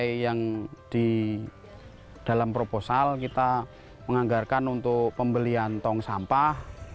dari yang di dalam proposal kita menganggarkan untuk pembelian tong sampah